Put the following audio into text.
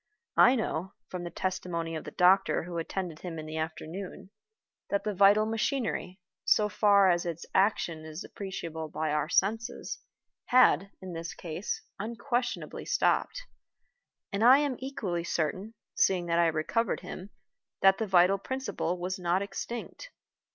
I know (from the testimony of the doctor who attended him in the afternoon) that the vital machinery, so far as its action is appreciable by our senses, had, in this case, unquestionably stopped, and I am equally certain (seeing that I recovered him) that the vital principle was not extinct.